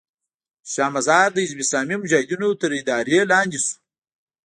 شا مزار د حزب اسلامي مجاهدینو تر اداره لاندې شو.